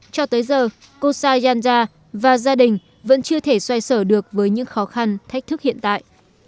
cho tới giờ cô sayanja và gia đình vẫn chưa thể xoay sở được với những khó khăn thách thức hiện tại